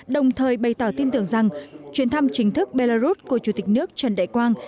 đồng thời bày tỏ tin tưởng rằng chuyến thăm chính thức belarus của chủ tịch nước trần đại quang